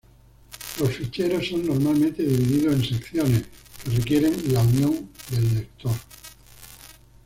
Los ficheros son normalmente divididos en secciones que requieren la unión del lector.